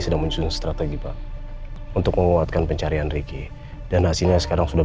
sedang menyusun strategi pak untuk menguatkan pencarian riki dan hasilnya sekarang sudah